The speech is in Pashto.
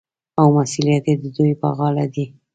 او مسوولیت یې د دوی په غاړه دی.